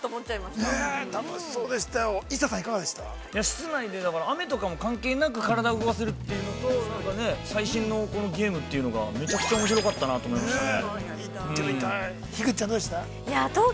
◆室内で、雨とかも関係なく体を動かせるっていうのとなんかね最新のゲームっていうのがめちゃくちゃおもしろかったなと思いましたね。